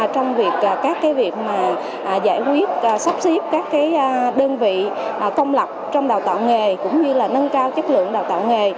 trong việc các việc giải quyết sắp xếp các đơn vị công lập trong đào tạo nghề cũng như là nâng cao chất lượng đào tạo nghề